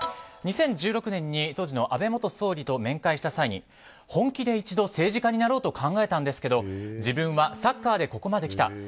２０１６年に当時の安倍元総理と面会した際に本気で一度、政治家になろうと考えたんですけど自分はサッカーでここまできた。